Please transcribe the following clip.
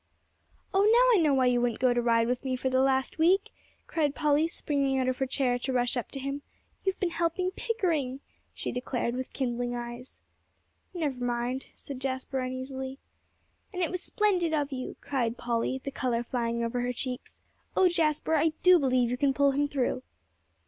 "Oh, now I know why you wouldn't go to ride with me for the last week," cried Polly, springing out of her chair to rush up to him, "you've been helping Pickering," she declared, with kindling eyes. "Never mind," said Jasper uneasily. "And it was splendid of you," cried Polly, the color flying over her cheeks. "Oh Jasper, I do believe you can pull him through."